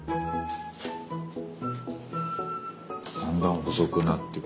だんだん細くなってく。